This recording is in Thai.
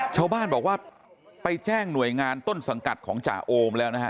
ชาวบ้านบอกว่าไปแจ้งหน่วยงานต้นสังกัดของจ่าโอมแล้วนะฮะ